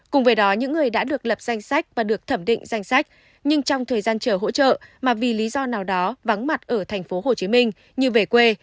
cùng với đó những người đã được lập danh sách và được thẩm định danh sách nhưng trong thời gian chờ hỗ trợ mà vì lý do nào đó vắng mặt ở tp hcm như về quê